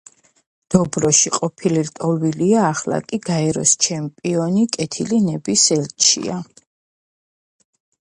დობროში ყოფილი ლტოლვილია, ახლა კი გაეროს ჩემპიონი და კეთილი ნების ელჩია.